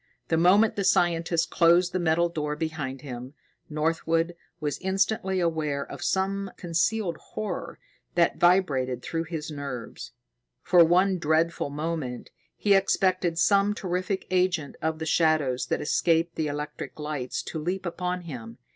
The moment the scientist closed the metal door behind them, Northwood was instantly aware of some concealed horror that vibrated through his nerves. For one dreadful moment, he expected some terrific agent of the shadows that escaped the electric lights to leap upon him.